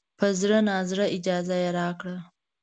په زړه نازړه اجازه یې راکړه.